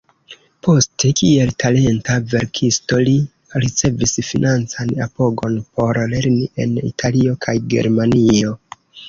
Poste, kiel talenta verkisto, li ricevis financan apogon por lerni en Italio kaj Germanio.